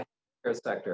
sektor perihal kesehatan